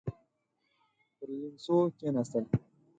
پر ليمڅو کېناستل.